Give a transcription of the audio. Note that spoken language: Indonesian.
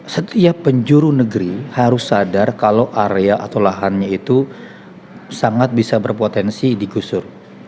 setiap penjuru negeri harus sadar kalau area atau lahannya itu sangat bisa berpotensi digusur